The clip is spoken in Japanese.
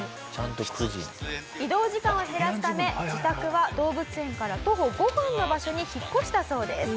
移動を時間を減らすため自宅は動物園から徒歩５分の場所に引っ越したそうです。